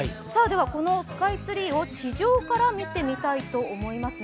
このスカイツリーを地上から見てみたいと思います。